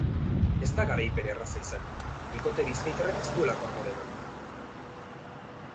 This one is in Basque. Ez da garaipen erraza izan, bikote bizkaitarrak ez duelako amore eman.